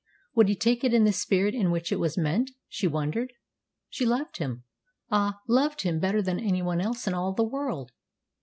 Would he take it in the spirit in which it was meant, she wondered. She loved him ah, loved him better than any one else in all the world!